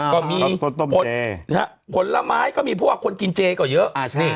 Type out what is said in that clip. ก็มีผลไม้ก็มีพวกคนกินเจก็เยอะ